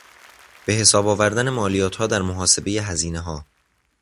به حساب آوردن مالیاتها در محاسبه هزینهها